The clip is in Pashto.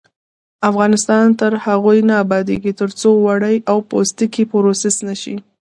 افغانستان تر هغو نه ابادیږي، ترڅو وړۍ او پوستکي پروسس نشي.